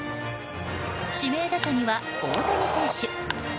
指名打者には、大谷選手。